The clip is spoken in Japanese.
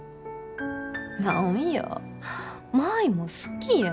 何や舞も好きやん。